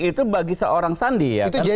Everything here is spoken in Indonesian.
itu bagi seorang andi